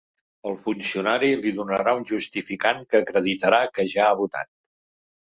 El funcionari li donarà un justificant que acreditarà que ja ha votat.